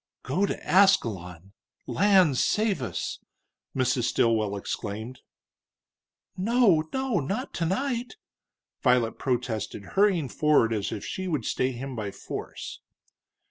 "Go to Ascalon! Lands save us!" Mrs. Stilwell exclaimed. "No, no not tonight!" Violet protested, hurrying forward as if she would stay him by force.